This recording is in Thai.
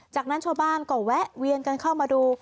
จากนั้นชาวบ้านก็แวะเวียนกันเข้ามาดู